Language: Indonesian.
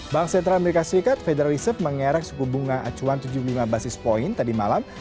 bank sentral amerika serikat federal reserve mengerek suku bunga acuan tujuh puluh lima basis point tadi malam